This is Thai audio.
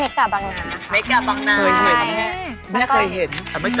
เม็กกาบังนาน